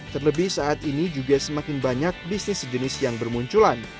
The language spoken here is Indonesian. terlebih saat ini juga semakin banyak bisnis sejenis yang bermunculan